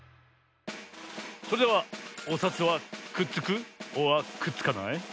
それではおさつはくっつくｏｒくっつかない？